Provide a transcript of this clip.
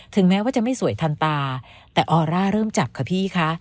แม้ว่าจะไม่สวยทันตาแต่ออร่าเริ่มจับค่ะพี่คะ